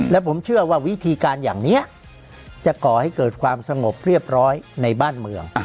และผมเชื่อว่าวิธีการอย่างนี้จะก่อให้เกิดความสงบเรียบร้อยในบ้านเมือง